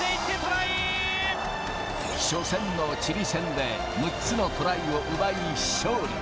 初戦のチリ戦で、６つのトライを奪い、勝利。